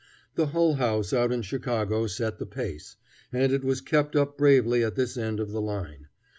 The Hull House out in Chicago set the pace, and it was kept up bravely at this end of the line.